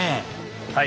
はい。